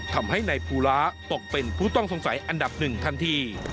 ทำให้นายภูลาตกเป็นผู้ต้องสงสัยอันดับหนึ่งทันที